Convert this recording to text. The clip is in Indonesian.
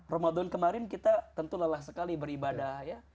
ramadan kemarin kita tentu lelah sekali beribadah ya